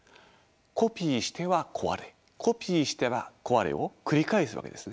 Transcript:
コピーしては壊れコピーしては壊れを繰り返すわけですね。